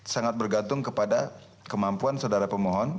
sangat bergantung kepada kemampuan saudara pemohon